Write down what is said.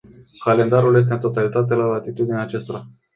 Calendarul este în totalitate la latitudinea acestora.